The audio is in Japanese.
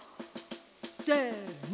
せの！